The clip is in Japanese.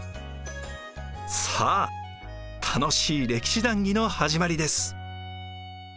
さあ楽しい歴史談義の始まりです。